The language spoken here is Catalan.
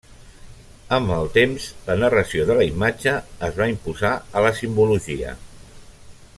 Amb el temps, la narració de la imatge es va imposar a la simbologia.